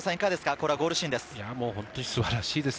これはゴールシーンです。